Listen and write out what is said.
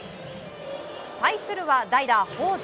対するは代打、北條。